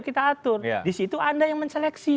kita atur di situ anda yang menseleksi